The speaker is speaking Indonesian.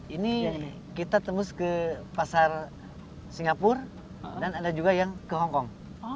ini kita tembus ke pasar singapura dan ada juga yang ke hongkong